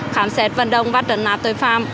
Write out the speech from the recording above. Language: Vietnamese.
khám xét vận động và trận nạt tội phạm